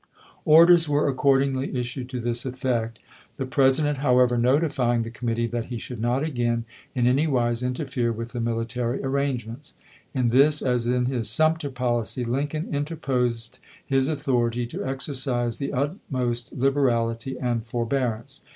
Orders were accordingly issued to this effect, the President, however, notifying the committee that he should not again in any wise interfere with the military arrangements. In this, as in his Sumter policy, Lincoln interposed his authority to exer cise the utmost liberality and forbearance.